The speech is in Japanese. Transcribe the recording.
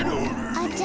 あちゃ